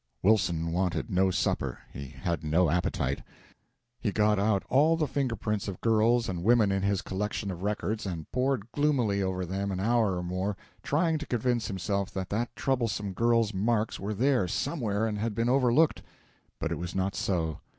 Wilson wanted no supper, he had no appetite. He got out all the finger prints of girls and women in his collection of records and pored gloomily over them an hour or more, trying to convince himself that that troublesome girl's marks were there somewhere and had been overlooked. But it was not so.